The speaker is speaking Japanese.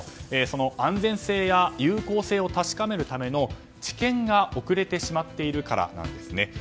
その安全性や有効性を確かめるための治験が遅れてしまっているからですね。